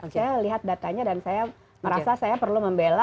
saya lihat datanya dan saya merasa saya perlu membela